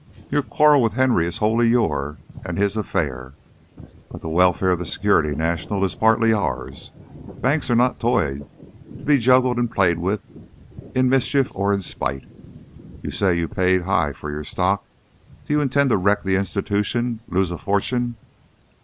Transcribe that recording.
Your quarrel with Henry is wholly your and his affair, but the welfare of the Security National is partly ours. Banks are not toys, to be juggled and played with in mischief or in spite. You say you paid high for your stock; do you intend to wreck the institution, lose a fortune